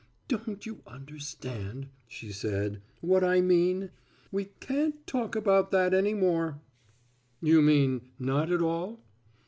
"Don't you understand," she said, "what I mean? We can't talk about that any more." "You mean not at all?"